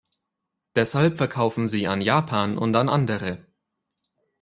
Deshalb verkaufen sie an Japan und an andere.